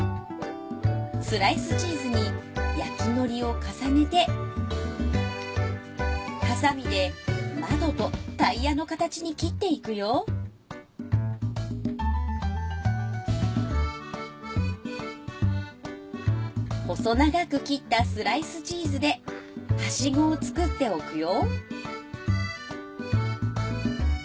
スライスチーズに焼きのりを重ねてはさみで窓とタイヤの形に切っていくよ細長く切ったスライスチーズではしごを作っておくよ